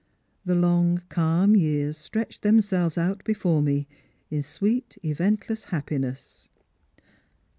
The long calm years stretched themselves out before me in sweet event less happiness."